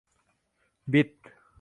บิด